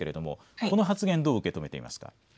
これはどう受け止めていますか。